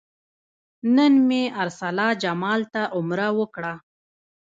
نن مې ارسلا جمال ته عمره وکړه.